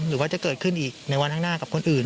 หรือว่าจะเกิดขึ้นอีกในวันข้างหน้ากับคนอื่น